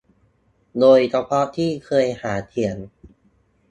โดยเฉพาะที่เคยหาเสียง